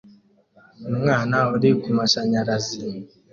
Umwana uri kumashanyarazi